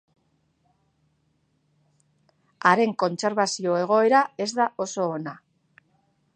Haren kontserbazio egoera ez da oso ona.